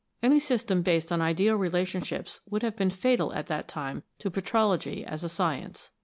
Any system based on ideal relationships would have been fatal at that time to petrology as a science.